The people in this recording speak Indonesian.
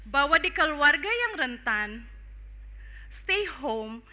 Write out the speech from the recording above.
bahwa di keluarga yang rentan stay home